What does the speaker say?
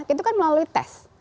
itu kan melalui tes